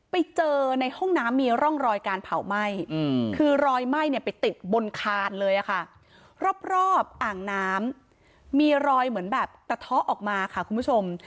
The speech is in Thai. ไปเจอในห้องน้ำมีร่องรอยการเผาไหม้คือรอยไหม้เนี่ยไปติดบนคานเลยค่ะรอบอ่างน้ำมีรอยเหมือนแบบกระเทาะออกมาค่ะคุณผู้ชม